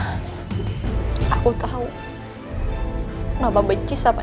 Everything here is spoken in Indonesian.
karena nisa sudah terlalu banyak bikin kesalahan sama mama